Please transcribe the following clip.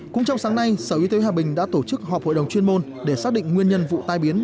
cũng trong sáng nay sở y tế hòa bình đã tổ chức họp hội đồng chuyên môn để xác định nguyên nhân vụ tai biến